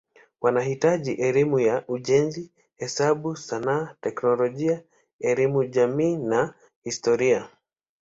Wanahitaji elimu ya ujenzi, hesabu, sanaa, teknolojia, elimu jamii na historia.